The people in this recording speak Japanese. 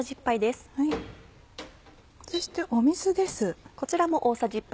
そして水です。